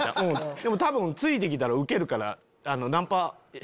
「でも多分ついて来たらウケるから」。